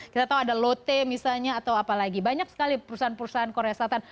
kita tahu ada lotte misalnya atau apa lagi banyak sekali perusahaan perusahaan korea selatan